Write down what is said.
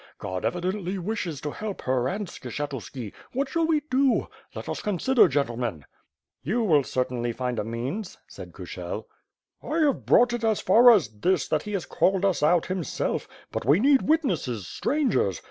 God evidently wishes to help her and Skshetuski — what shall we do? Let us consider, gentlemen." *'You will certainly find a means," said Kushel. "I have brought it as far as this, that he has called us out, himself; but we need witnesses, strangers.